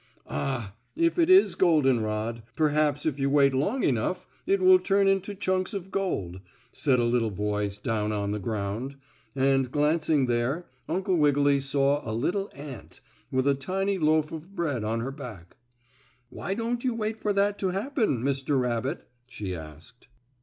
"Ah, if it is golden rod, perhaps if you wait long enough it will turn into chunks of gold," said a little voice down on the ground, and, glancing there, Uncle Wiggily saw a little ant with a tiny loaf of bread on her back. "Why don't you wait for that to happen, Mr. Rabbit?" she asked.